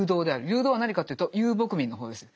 流動は何かというと遊牧民の方です。